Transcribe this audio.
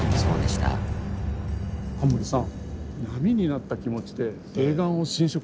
タモリさん